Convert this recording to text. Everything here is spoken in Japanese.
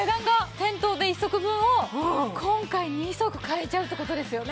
店頭で１足分を今回２足買えちゃうって事ですよね？